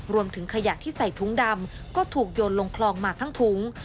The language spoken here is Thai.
รวมถึงขยะที่ใส่ถุงดำก็ถูกโยนลงคลองมาทั้งถุง